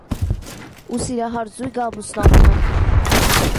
Ու սիրահար զույգը ամուսնանում է։